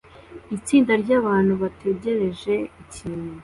Itsinda ryabantu bategereje ikintu